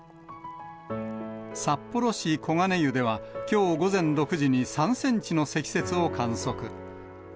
札幌市小金湯では、きょう午前６時に３センチの積雪を観測。